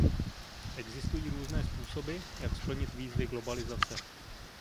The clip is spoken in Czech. Existují různé způsoby, jak splnit výzvy globalizace.